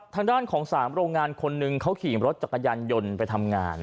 ทางด้านของ๓โรงงานคนนึงเขาขี่รถจักรยานยนต์ไปทำงาน